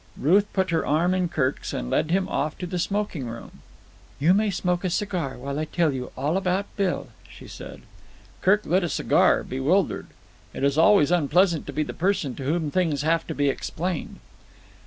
Ruth put her arm in Kirk's and led him off to the smoking room. "You may smoke a cigar while I tell you all about Bill," she said. Kirk lit a cigar, bewildered. It is always unpleasant to be the person to whom things have to be explained.